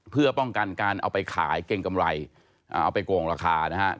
เพื่อป้องกันการเอาไปขายเกรงกำไรเอาไปโกงราคานะครับ